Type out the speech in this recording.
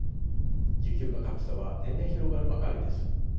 需給の格差は年々広がるばかりです。